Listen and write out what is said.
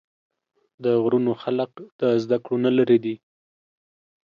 د غرونو خلق د زدکړو نه لرې دي